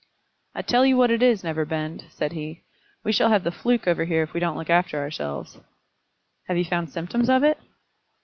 "I tell you what it is, Neverbend," said he; "we shall have the fluke over here if we don't look after ourselves." "Have you found symptoms of it?"